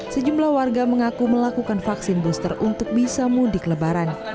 sejumlah warga mengaku melakukan vaksin booster untuk bisa mudik lebaran